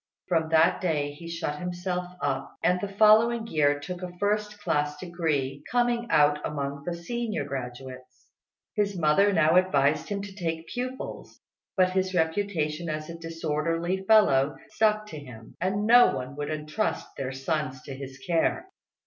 From that day he shut himself up, and the following year took a first class degree, coming out among the "senior" graduates. His mother now advised him to take pupils, but his reputation as a disorderly fellow stuck to him, and no one would entrust their sons to his care.